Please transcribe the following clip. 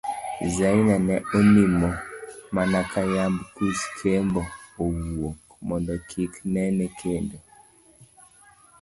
Zaina ne onimo mana ka yamb kus kendo owuok, mondo kik nene kendo.